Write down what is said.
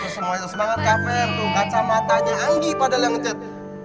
semangat kafem kacamata yang anggi padahal yang mencet